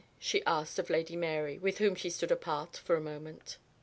she asked of Lady Mary, with whom she stood apart for a moment.